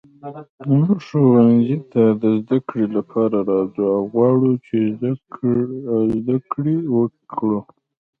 موږ ښوونځي ته د زده کړې لپاره راځو او غواړو چې زده کړې وکړو.